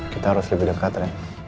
kita harus lebih dekat ya